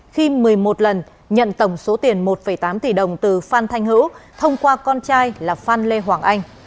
khi một mươi một lần nhận tổng số tiền một tám tỷ đồng từ phan thanh hữu thông qua con trai là phan lê hoàng anh